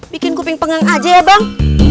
bikin kuping pengang aja ya bang